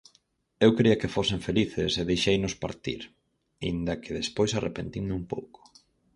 Eu quería que fosen felices e deixeinos partir, aínda que despois arrepentinme un pouco.